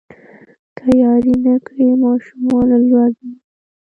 که ياري نه کړي ماشومان له لوږې مرينه.